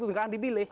itu kan dipilih